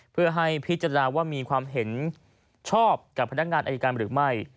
เพื่อให้พิจารณาว่ามีความเห็นชอบกับพนักงานอายการหรือไม่